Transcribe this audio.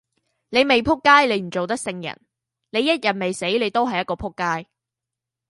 你未仆街你唔做得聖人，你一日未死你都係一個仆街。